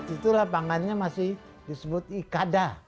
itu lapangannya masih disebut ikada